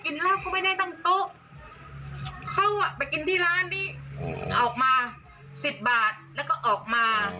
อืมดื่มเป็นครั้งแล้วออกมา